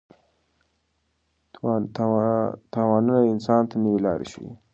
تاوانونه انسان ته نوې لارې ښيي.